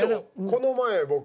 この前僕